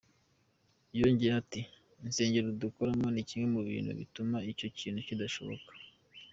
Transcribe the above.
Yongeraho ati “Insengero dukoramo ni kimwe mu bintu bituma icyo kintu kidashoboka.